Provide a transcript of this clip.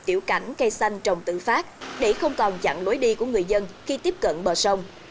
tiểu cảnh cây xanh trồng tự phát để không còn chặn lối đi của người dân khi tiếp cận bờ sông